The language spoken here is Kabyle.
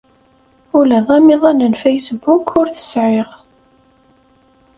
Ula d amiḍan n Facebook ur t-sɛiɣ.